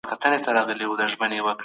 دا مسله تر هغې بلي پېچلې ده.